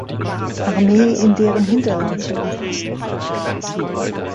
Armee in deren Hinterland zu umfassen.